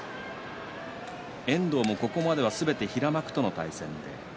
ここまではすべて平幕との対戦でした。